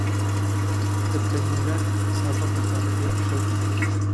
د پنېرک سابه پښتانه ډېر په شوق خوري۔